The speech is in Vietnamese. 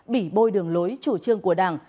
bỉ bôi đường lối chủ trương của đảng